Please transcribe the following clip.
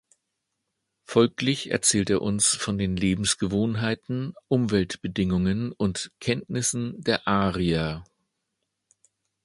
Folglich erzählt er uns von den Lebensgewohnheiten, Umweltbedingungen und Kenntnissen der Arier.